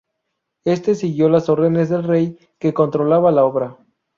Éste siguió las órdenes del rey que controlaba la obra.